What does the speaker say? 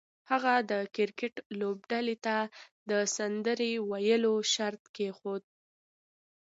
هغه د کرکټ لوبډلې ته د سندرې ویلو شرط کېښود